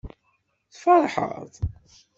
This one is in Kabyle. Tfeṛḥeḍ?